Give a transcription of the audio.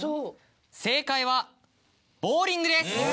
正解は「ボウリング」です。